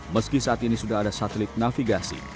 meski saat ini sudah ada satelit navigasi